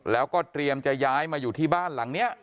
แล้วก็เตรียมจะย้ายมาอยู่ที่บ้านหลังนี้